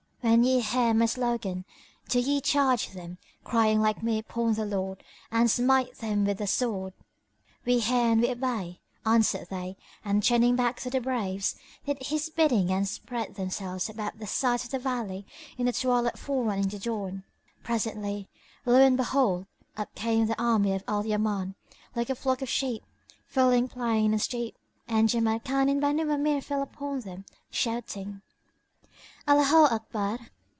When ye hear my slogan, do ye charge them, crying like me upon the Lord, and smite them with the sword." "We hear and we obey," answered they and turning back to their braves did his bidding and spread themselves about the sides of the valley in the twilight forerunning the dawn. Presently, lo and behold! up came the army of Al Yaman, like a flock of sheep, filling plain and steep, and Jamrkan and the Banu Amir fell upon them, shouting, "Allaho Akbar!"